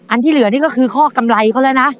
ที่เหลือนี่ก็คือข้อกำไรเขาแล้วนะ